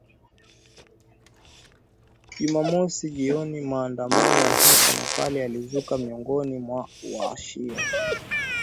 Jumamosi jioni maandamano ya hapa na pale yalizuka miongoni mwa washia